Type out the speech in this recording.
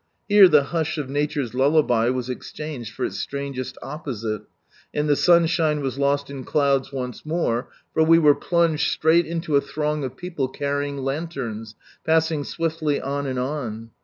Here the hush of Nature's lullaby was exchanged for its strangest opposite, and the sunshine was lost in cloud once more, for we were plunged straight into a throng of people carrying lanterns, passing swiftly on and on.